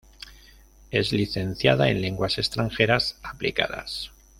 Es licenciada en Lenguas Extranjeras Aplicadas.